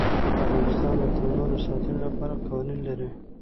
افغانستان د تنوع د ساتنې لپاره قوانین لري.